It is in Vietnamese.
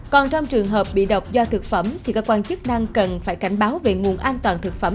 còn trong trường hợp bị độc do thực phẩm thì cơ quan chức năng cần phải cảnh báo về nguồn an toàn thực phẩm